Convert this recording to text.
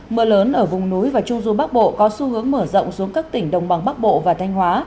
mưa lớn ở vùng núi và trung du bắc bộ có xu hướng mở rộng xuống các tỉnh đồng bằng bắc bộ và thanh hóa